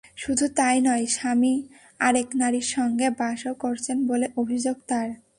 শুধু তা-ই নয়, স্বামী আরেক নারীর সঙ্গে বাসও করছেন বলে অভিযোগ তাঁর।